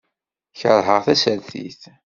Keṛheɣ tasertit.